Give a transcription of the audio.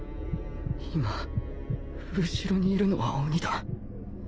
垪後ろにいるのは鬼だ